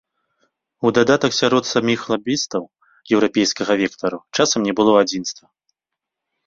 У дадатак сярод саміх лабістаў еўрапейскага вектару часам не было адзінства.